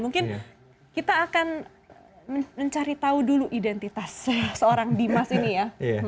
mungkin kita akan mencari tahu dulu identitas seorang dimas ini ya